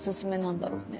何だろうね？